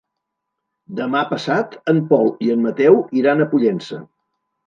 Demà passat en Pol i en Mateu iran a Pollença.